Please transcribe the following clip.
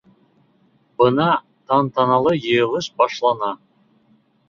Бына тантаналы йыйылыш башлана.